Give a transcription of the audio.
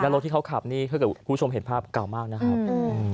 ตัวที่เขาขับนี่เพื่อกับผู้ชมเห็นภาพกล่าวมากนะครับ